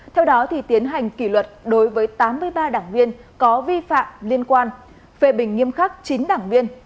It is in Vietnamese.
theo đó tiến hành kỷ luật đối với tám mươi ba đảng viên có vi phạm liên quan phê bình nghiêm khắc chín đảng viên